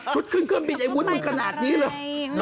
ชุดเครื่องบินไอ้วุ้นมันขนาดนี้เหรอ